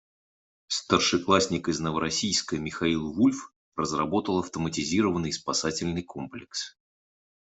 Старшеклассник из Новороссийска Михаил Вульф разработал автоматизированный спасательный комплекс.